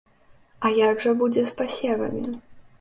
А як жа будзе з пасевамі?